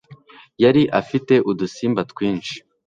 Yari afite udusimba twinshi,